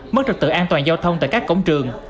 mất trực tự an toàn giao thông tại các cổng trường